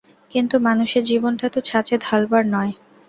কিন্তু মানুষের জীবনটা তো ছাঁচে ঢালবার নয়।